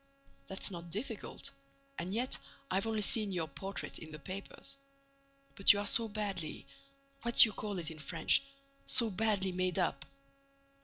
"That's not difficult—and yet I've only seen your portrait in the papers. But you are so badly—what do you call it in French—so badly made up."